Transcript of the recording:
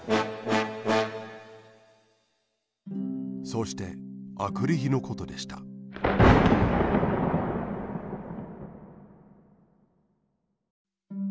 そうしてあくるひのことでしたゴロゴロ。